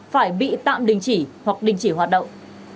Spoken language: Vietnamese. phải bị tạm định chỉ hoặc định chỉ hoạt động